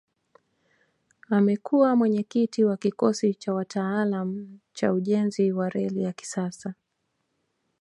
Amekua mwenyekiti wa kikosi cha wataalamu cha ujenzi wa reli ya kisasa